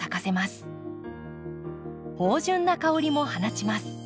芳醇な香りも放ちます。